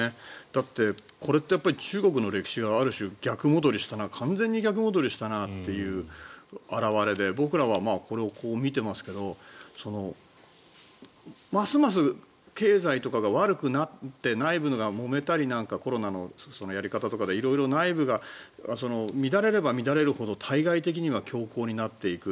だって、これって中国の歴史がある種、逆戻りした完全に逆戻りしたなという表れで僕らはこれをこう見ていますけどますます経済とかが悪くなって内部なんかがもめたりなんかコロナのやり方とかで色々、内部が乱れれば乱れるほど対外的には強硬になっていく。